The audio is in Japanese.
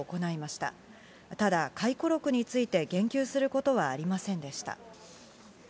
ただ回顧録について言及することはありませんでした。